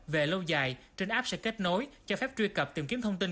về lâu dài trên app sẽ kết nối cho phép truy cập tìm kiếm thông tin